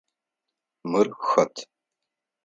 Мыр хэт?